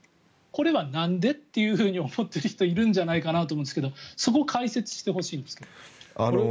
これはなんで？というふうに思っている人がいると思うんですけどそこを解説してほしいです。